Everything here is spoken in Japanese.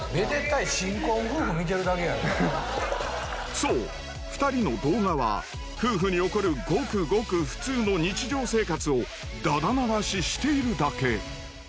そう２人の動画は夫婦に起こるごくごく普通の日常生活をだだ流ししているだけ。